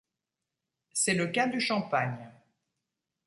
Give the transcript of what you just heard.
C'est le cas du Champagne.